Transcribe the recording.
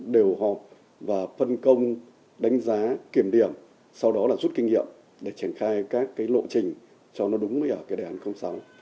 đều họp và phân công đánh giá kiểm điểm sau đó là rút kinh nghiệm để triển khai các lộ trình cho nó đúng với đề hạn sáu